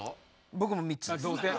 僕も３つです。